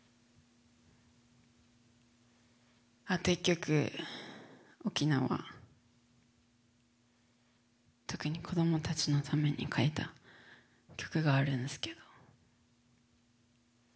あと一曲沖縄特に子どもたちのために書いた曲があるんですけど。